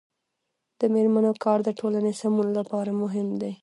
د میرمنو کار د ټولنې سمون لپاره مهم دی.